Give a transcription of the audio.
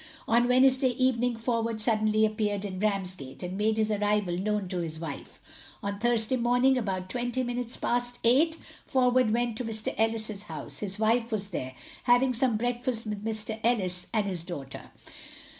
On Wednesday evening Forward suddenly appeared in Ramsgate, and made his arrival known to his wife. On Thursday morning, about twenty minutes past eight, Forward went to Mr Ellis's house. His wife was there, having some breakfast with Mr Ellis and his daughter.